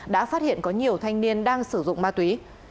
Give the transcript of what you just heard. đã phát hiện có nhiều thanh niên đang sử dụng ma túy